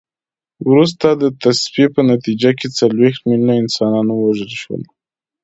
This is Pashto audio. وروسته د تصفیې په نتیجه کې څلوېښت میلیونه انسانان ووژل شول.